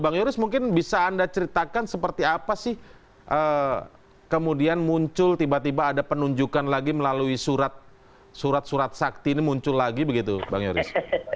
bang yoris mungkin bisa anda ceritakan seperti apa sih kemudian muncul tiba tiba ada penunjukan lagi melalui surat surat sakti ini muncul lagi begitu bang yoris